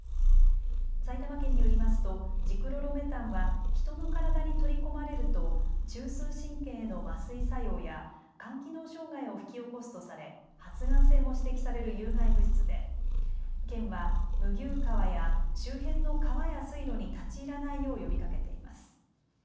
埼玉県によりますとジクロロメタンは人の体に取り込まれると中枢神経への麻酔作用や肝機能障害を引き起こすとされ発がん性も指摘される有害物質で県は麦生川や周辺の川や水路に立ち入らないよう呼びかけています。